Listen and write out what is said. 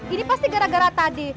ini pasti gara gara tadi